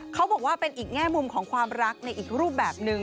เขาบอกว่าเป็นอีกแง่มุมของความรักในอีกรูปแบบหนึ่ง